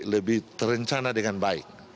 lebih terencana dengan baik